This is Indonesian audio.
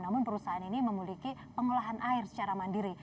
namun perusahaan ini memiliki pengolahan air secara mandiri